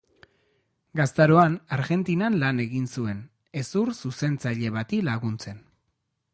Gaztaroan Argentinan lan egin zuen, hezur-zuzentzaile bati laguntzen.